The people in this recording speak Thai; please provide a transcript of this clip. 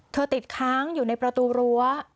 ติดค้างอยู่ในประตูรั้ว